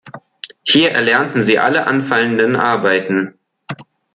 Hier erlernten sie alle anfallenden Arbeiten.